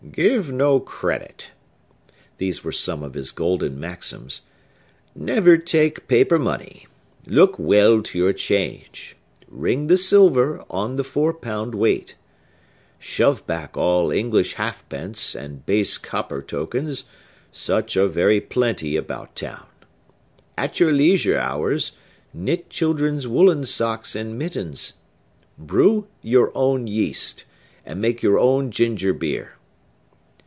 "Give no credit!"—these were some of his golden maxims,—"Never take paper money. Look well to your change! Ring the silver on the four pound weight! Shove back all English half pence and base copper tokens, such as are very plenty about town! At your leisure hours, knit children's woollen socks and mittens! Brew your own yeast, and make your own ginger beer!"